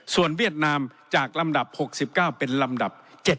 ส่วนเวียดนามจากลำดับ๖๙เป็นลำดับ๗